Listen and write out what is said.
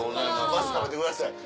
まず食べてください。